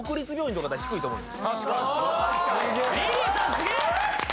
すげえ！